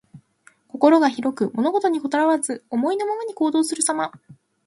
心が広く、物事にこだわらず、思いのままに行動するさま。